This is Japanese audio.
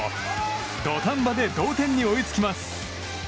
土壇場で同点に追いつきます。